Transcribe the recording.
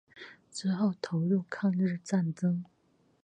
之后投入抗日战争。